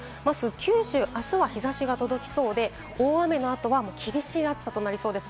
九州、あすは日差しが届きそうで、大雨の後は厳しい暑さとなりそうです。